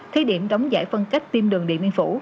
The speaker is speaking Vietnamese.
thế điểm đóng giải phân cách tiêm đường điện biên phủ